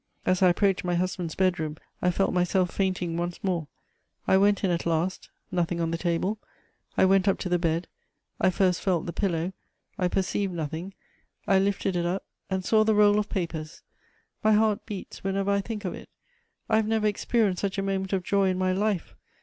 As I approached my husband's bedroom, I felt myself fainting once more; I went in at last; nothing on the table; I went up to the bed; I first felt the pillow, I perceived nothing; I lifted it up, and saw the roll of papers! My heart beats whenever I think of it. I have never experienced such a moment of joy in my life.